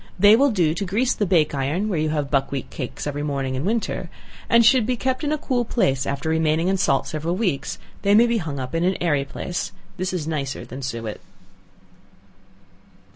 They will do to grease the bake iron where you have buckwheat cakes every morning in winter, and should be kept in a cool place; after remaining in salt several weeks, they may be hung up in an airy place. This is nicer than suet.